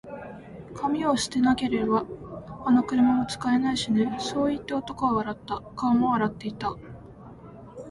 「紙を捨てなけれれば、あの車も使えないしね」そう言って、男は笑った。顔も笑っていた。